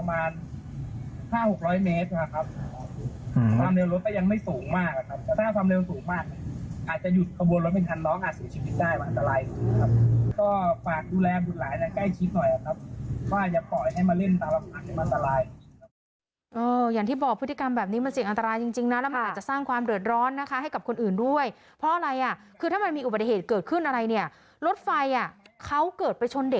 อาจจะหยุดขบวนรถเป็นทันร้องอาจเสียชีวิตได้ว่าอันตรายครับก็ฝากดูแลบุญหลายใกล้ชิดหน่อยอะครับว่าอย่าปล่อยให้มาเล่นตลาดอันตรายอย่างที่บอกพฤติกรรมแบบนี้มันเสียงอันตรายจริงนะแล้วมันอาจจะสร้างความเดิดร้อนนะคะให้กับคนอื่นด้วยเพราะอะไรอะคือถ้ามันมีอุบัติเหตุเกิดขึ้นอะไรเนี่ยรถไ